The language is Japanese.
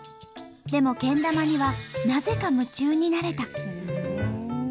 でもけん玉にはなぜか夢中になれた。